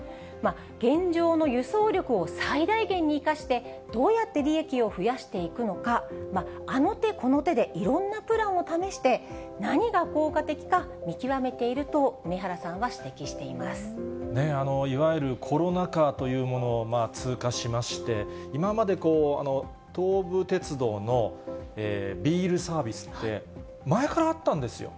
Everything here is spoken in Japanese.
現状の輸送力を最大限に生かして、どうやって利益を増やしていくのか、あの手この手で、いろんなプランを試して、何が効果的か見極めていると、いわゆるコロナ禍というものを通過しまして、今まで東武鉄道のビールサービスって前からあったんですよ、